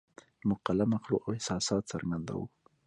موږ قلم اخلو او احساسات څرګندوو